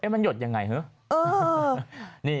มันหยดอย่างไร